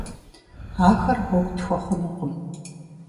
Ахэр гъуэгу тхуэхъунукъым.